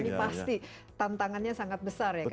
ini pasti tantangannya sangat besar ya